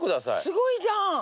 すごいじゃん。